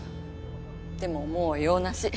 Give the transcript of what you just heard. でももう用なし。